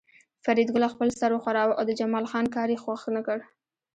فریدګل خپل سر وښوراوه او د جمال خان کار یې خوښ نکړ